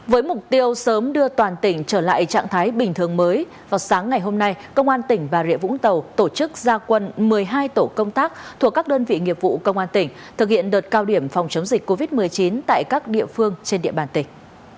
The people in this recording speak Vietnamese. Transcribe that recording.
với mục tiêu sớm đưa toàn tỉnh trở lại trạng thái bình thường mới vào sáng ngày hôm nay công an tỉnh bà rịa vũng tàu tổ chức gia quân một mươi hai tổ công tác thuộc các đơn vị nghiệp vụ công an tỉnh thực hiện đợt cao điểm phòng chống dịch covid một mươi chín tại các địa phương trên địa bàn tỉnh